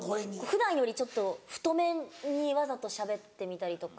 普段よりちょっと太めにわざとしゃべってみたりとか。